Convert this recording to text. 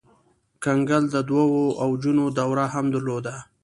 کنګل د دوه اوجونو دوره هم درلوده.